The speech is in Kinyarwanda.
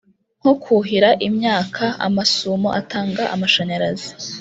nko kuhira imyaka, amasumo atanga amashanyarazi,